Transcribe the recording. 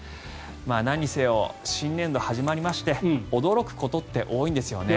なんにせよ新年度が始まりまして驚くことって多いんですよね。